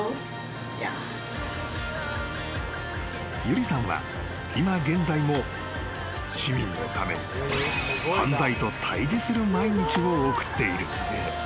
［有理さんは今現在も市民のために犯罪と対峙する毎日を送っている］